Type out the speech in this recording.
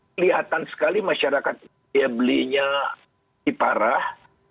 kelihatan sekali masyarakat belinya diparah